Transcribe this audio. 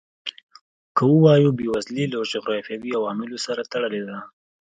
که ووایو بېوزلي له جغرافیوي عواملو سره تړلې ده.